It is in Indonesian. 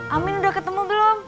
amin udah ketemu belum